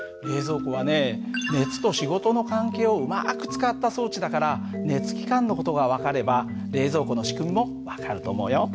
熱と仕事の関係をうまく使った装置だから熱機関の事が分かれば冷蔵庫の仕組みも分かると思うよ。